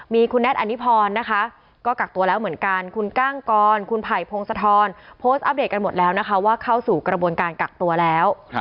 มีคุณแท็ตอนิพรนะคะก็กักตัวแล้วเหมือนกันคุณก้างกรคุณไผ่พงศธรโพสต์อัปเดตกันหมดแล้วนะคะว่าเข้าสู่กระบวนการกักตัวแล้ว